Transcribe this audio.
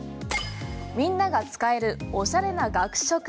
みんなが使えるおしゃれな学食。